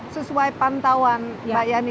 sesuai pantauan mbak yani